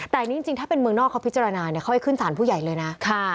แต่อันนี้จริงถ้าเป็นเมืองนอกเขาพิจารณาเขาให้ขึ้นสารผู้ใหญ่เลยนะ